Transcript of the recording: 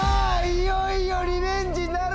いよいよリベンジなるか？